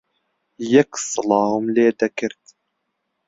یەک سڵاوم لێ دەکرد